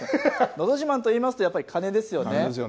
のど自慢といいますと、やっぱり鐘ですよね。